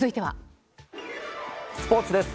スポーツです。